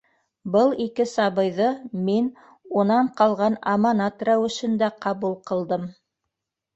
Был ике сабыйҙы мин... унан ҡалған аманат рәүешендә ҡабул ҡылдым.